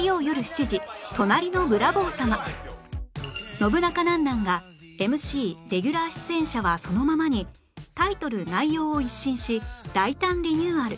『ノブナカなんなん？』が ＭＣ レギュラー出演者はそのままにタイトル・内容を一新し大胆リニューアル！